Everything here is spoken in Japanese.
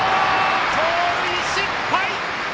盗塁失敗！